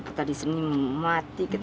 kita disini mematik